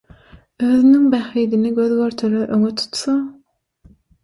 özüniň bähbidini göz-görtele öňe tutsa